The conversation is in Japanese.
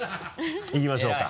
いきましょうか。